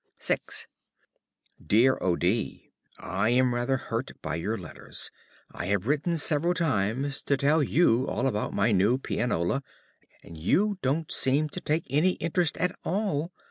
VI Dear O. D., I am rather hurt by your letters. I have written several times to tell you all about my new pianola, and you don't seem to take any interest at all.